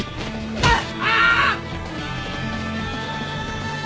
うっ。